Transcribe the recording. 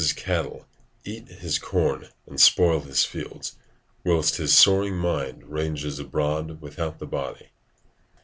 ["Democritus' cattle eat his corn and spoil his fields, whilst his soaring mind ranges abroad without the body."